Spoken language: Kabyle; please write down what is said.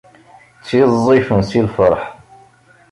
Ttiẓẓifen si lferḥ.